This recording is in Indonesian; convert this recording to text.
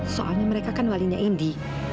soalnya mereka kan walinya indi